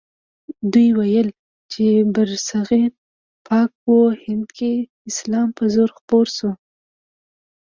دوی ویل چې برصغیر پاک و هند کې اسلام په زور خپور شو.